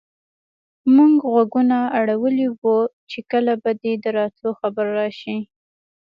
موږ غوږونه اړولي وو چې کله به دې د راتلو خبر راشي.